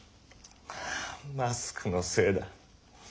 マスクのせいだッ！